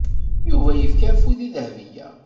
Yuba yefka afud i Dahbiya.